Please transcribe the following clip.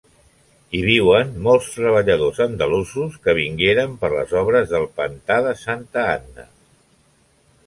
Hi viuen molts treballadors andalusos que vingueren per les obres del pantà de Santa Anna.